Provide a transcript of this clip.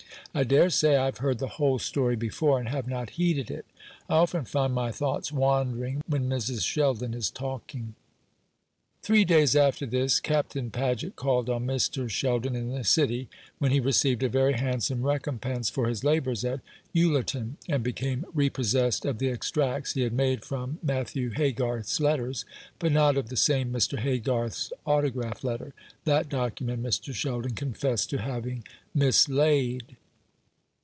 I dare say I have heard the whole story before, and have not heeded it: I often find my thoughts wandering when Mrs. Sheldon is talking." Three days after this Captain Paget called on Mr. Sheldon in the City, when he received a very handsome recompense for his labours at Ullerton, and became repossessed of the extracts he had made from Matthew Haygarth's letters, but not of the same Mr. Haygarth's autograph letter: that document Mr. Sheldon confessed to having mislaid.